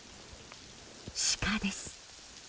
鹿です。